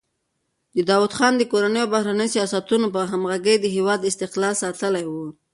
داوود خان د کورنیو او بهرنیو سیاستونو په همغږۍ د هېواد استقلال ساتلی و.